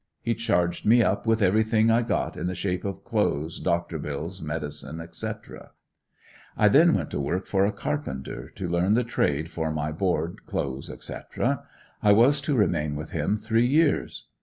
He charged me up with everything I got in the shape of clothes, doctor bills, medicine, etc. I then went to work for a carpenter, to learn the trade, for my board, clothes, etc. I was to remain with him three years.